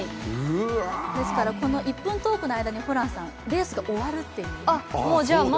ですから、この１分トークの間にレースが終わるというね。